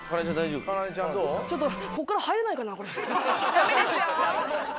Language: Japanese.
ダメですよ。